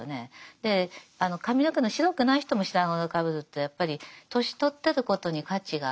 で髪の毛の白くない人も白髪をかぶるとやっぱり年取ってることに価値があるのでね。